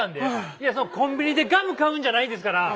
いやコンビニでガム買うんじゃないんですから。